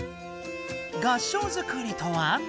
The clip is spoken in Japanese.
合掌造りとは？